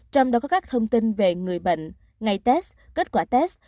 trong đó có các thông tin về người bệnh ngày test kết quả test